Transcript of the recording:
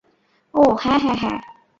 ওহ, হ্যা, হ্যা হ্যা।